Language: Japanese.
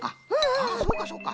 あそうかそうか。